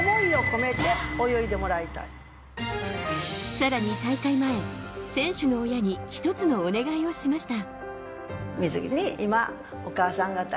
さらに大会前、選手の親に一つのお願いをしました。